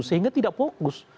sehingga tidak fokus